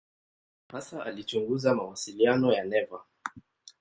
Hasa alichunguza mawasiliano ya neva.